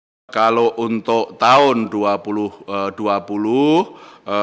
pertama kalau untuk percobaan yang diperlukan kita harus memiliki kemampuan yang berbeda